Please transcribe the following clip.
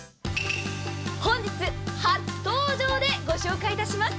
本日初登場で御紹介いたします。